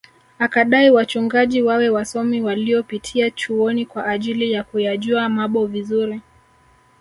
Akadai wachungaji wawe wasomi waliopitia chuoni kwa ajili ya kuyajua mabo vizuri